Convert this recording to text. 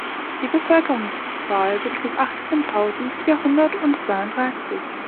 Die Bevölkerungszahl betrug achzehntausendvierhundertundzweiunddreißig.